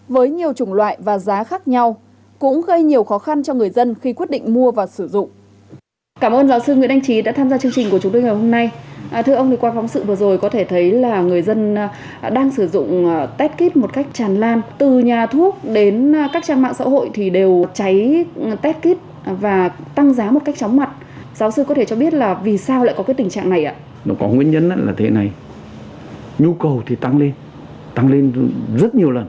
với nhiều chủng loại và giá khác nhau cũng gây nhiều khó khăn cho người dân khi quyết định mua và sử dụng